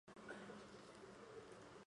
前身为陆军步兵第一二七师